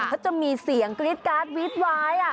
เขาจะมีเสียงกรี๊ดการ์ดวีดวาย